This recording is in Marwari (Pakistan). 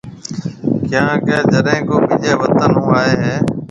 ڪيونڪہ جڏي ڪو ٻيجي وطن هون آئي هيَ۔